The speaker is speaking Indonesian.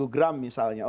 dua puluh gram misalnya